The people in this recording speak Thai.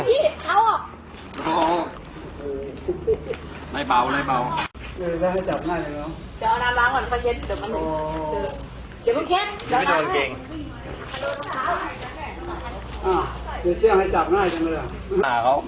ไหนเปล่าไหนเปล่า